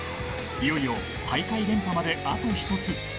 いよいよ、大会連覇まであと一つ。